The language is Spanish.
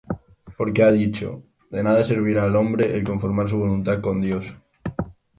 Porque ha dicho: De nada servirá al hombre El conformar su voluntad con Dios.